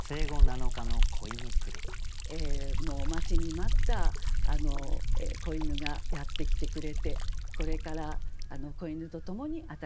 もう待ちに待った仔犬がやって来てくれてこれから仔犬とともに新しい生活が始まる。